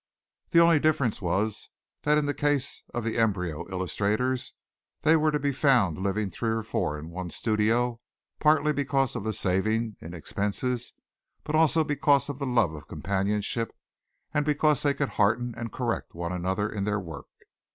The only difference was that in the case of the embryo illustrators they were to be found living three or four in one studio, partly because of the saving in expense, but also because of the love of companionship and because they could hearten and correct one another in their work.